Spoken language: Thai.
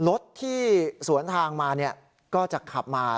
รถที่สวนทางมาก็จะขับมา